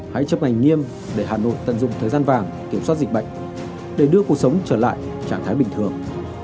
hãy chấp hành nghiêm để hà nội tận dụng thời gian vàng kiểm soát dịch bệnh để đưa cuộc sống trở lại trạng thái bình thường